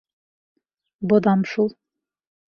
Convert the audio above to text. Боҙам шул.